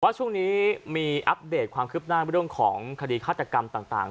ช่วงนี้มีอัปเดตความคืบหน้าเรื่องของคดีฆาตกรรมต่าง